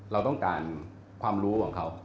เราต้องการความรู้ของเขา